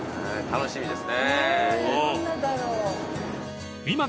楽しみです］